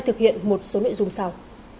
thực hiện một số nội dung sau